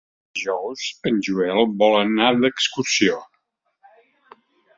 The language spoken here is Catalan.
Dijous en Joel vol anar d'excursió.